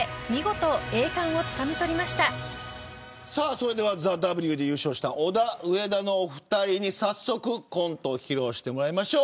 それではＴＨＥＷで優勝したオダウエダのお二人に早速コントを披露してもらいましょう。